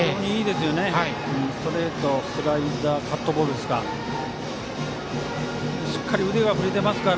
ストレート、スライダーカットボールですか。